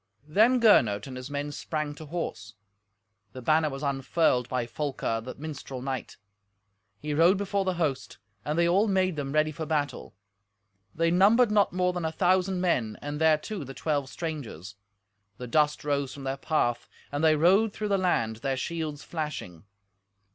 Then Gernot and his men sprang to horse. The banner was unfurled by Folker, the minstrel knight. He rode before the host, and they all made them ready for battle. They numbered not more than a thousand men, and thereto the twelve strangers. The dust rose from their path, and they rode through the land, their shields flashing.